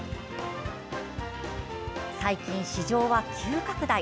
最近、市場は急拡大。